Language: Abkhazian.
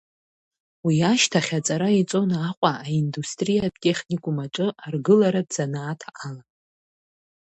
Уи ашьҭахь аҵара иҵон Аҟәа, аиндустриатә техникум аҿы аргыларатә занааҭ ала.